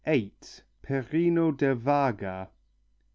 Perino del Vaga.